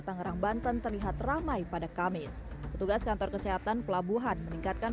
tangerang banten terlihat ramai pada kamis petugas kantor kesehatan pelabuhan meningkatkan